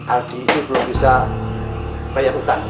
ardi itu belum bisa bayar hutangnya